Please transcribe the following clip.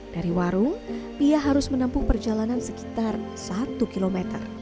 dari warung pia harus menempuh perjalanan sekitar satu km